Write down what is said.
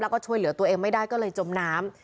แล้วก็ช่วยเหลือตัวเองไม่ได้ก็เลยจมน้ำ